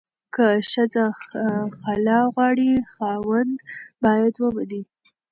که ښځه خلع غواړي، خاوند باید ومني.